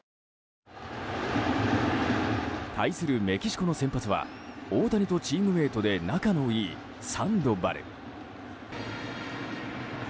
対するメキシコの先発は大谷とチームメートで仲のいいサンドバル。